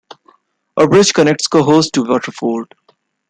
A bridge connects Cohoes to Waterford.